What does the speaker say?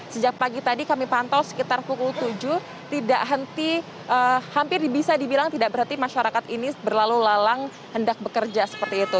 sejak pagi tadi kami pantau sekitar pukul tujuh tidak henti hampir bisa dibilang tidak berhenti masyarakat ini berlalu lalang hendak bekerja seperti itu